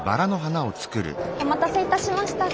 お待たせいたしました。